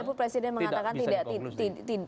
tidak bisa dikonglosen